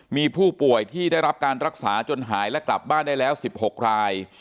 มีผู้ป่วยที่ได้รับการรักษาจนหายและกลับบ้านได้แล้ว๑๖ราย